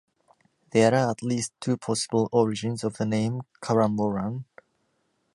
There are at least two possible origins of the name Caramoran.